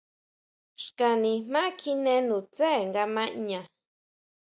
Xka nijmá kjine nutsé nga ma ʼña.